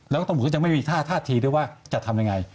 แล้วก็ต้องบอกว่ายังไม่มีท่าทีด้วยว่าจะทำยังไง